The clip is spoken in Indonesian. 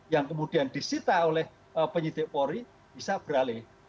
yang kemudian disita oleh penyidik polri bisa beralih